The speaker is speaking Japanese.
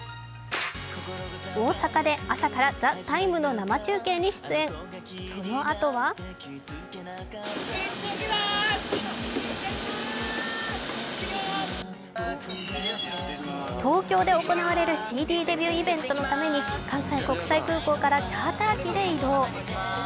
大阪で朝から「ＴＨＥＴＩＭＥ，」の生中継に出演、そのあとは東京で行われるＣＤイベントのために、関西国際空港からチャーター機で移動。